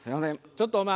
ちょっとお前